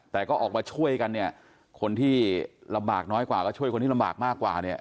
แต่ก็ออกมาช่วยกันเนี่ยคนที่ลำบากน้อยกว่าก็ช่วยคนที่ลำบากมากกว่าเนี่ย